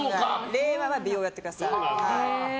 令和は美容をやってください。